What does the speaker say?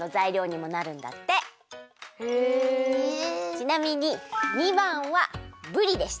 ちなみに２ばんはぶりでした！